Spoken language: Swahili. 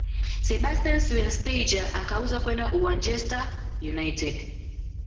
sebastian schweinsteiger akauzwa kwenda uanchester United